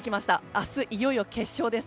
明日、いよいよ決勝です。